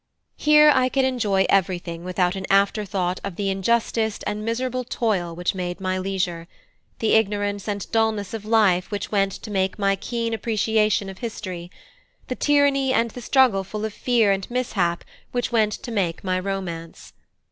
Here I could enjoy everything without an afterthought of the injustice and miserable toil which made my leisure; the ignorance and dulness of life which went to make my keen appreciation of history; the tyranny and the struggle full of fear and mishap which went to make my romance.